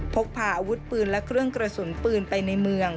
พกพาอาวุธปืนและเครื่องกระสุนปืนไปในเมือง